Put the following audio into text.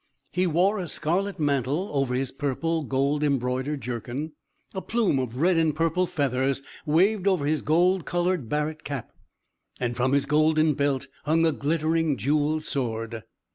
He wore a scarlet mantle over his purple, gold embroidered jerkin; a plume of red and purple feathers waved over his gold coloured barret cap; and from his golden belt hung a glittering jewelled sword.